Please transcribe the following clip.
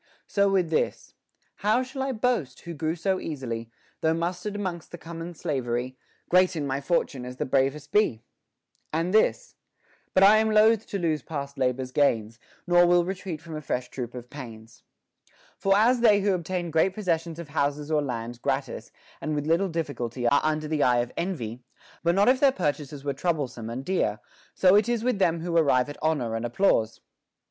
So with this : How shall I boast, who grew so easily, Though mustered 'mongst the common soldiery; Great in my fortune as the bravest be 1 And this But I am loath to lose past labor's gains ; Nor will retreat from a fresh troop of pains.* For as they who obtain great possessions of houses or lands gratis and with little difficulty are under the eye of envy, but not if their purchases were troublesome and dear, so it is with them who arrive at honor and applause. 15.